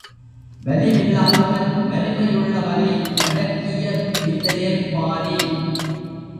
வலிவில்லாதவன் வலியுள்ளவனை அடக்கிய விந்தையைப் பாரீர்!